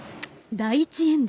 第１エンド。